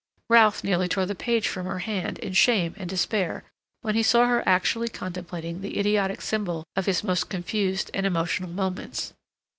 Ralph nearly tore the page from her hand in shame and despair when he saw her actually contemplating the idiotic symbol of his most confused and emotional moments.